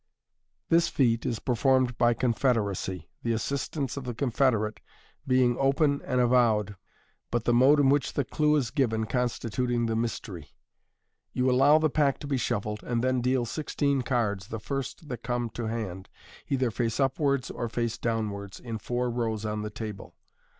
— This feat is performed by confederacy, the assistance of the confederate being open and avowed, but the mode in which the clue is given constitut MODERN MAGIC. # fag the mystery. You allow the pack to be shuffled, and then deal sixteen cards, the first that come to hand, either face upwards or face downwards, in four rows on the table.